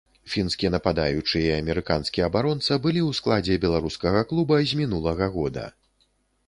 Фінскі нападаючы і амерыканскі абаронца былі ў складзе беларускага клуба з мінулага года.